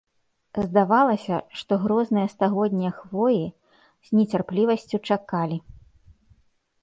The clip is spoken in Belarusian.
Здавалася, што грозныя стагоднія хвоі з нецярплівасцю чакалі.